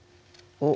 おっ！